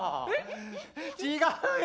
違うよ。